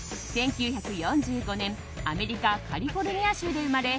１９４５年アメリカ・カリフォルニア州で生まれ